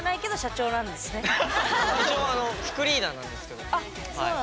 一応あの副リーダーなんですけどはい。